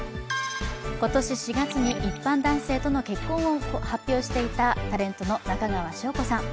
今年４月に、一般男性との結婚を発表していたタレントの中川翔子さん。